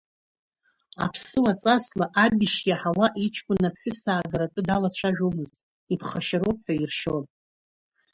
Аԥсуа ҵасла аб ишиаҳауа иҷкәын аԥҳәысаагара атәы далацәажәомызт, иԥхашьароуп ҳәа иршьон.